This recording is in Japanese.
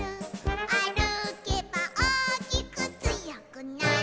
「あるけばおおきくつよくなる」